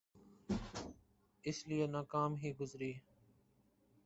اس لئے ناکام ہی گزری۔